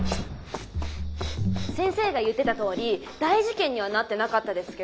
先生が言ってたとおり大事件にはなってなかったですけ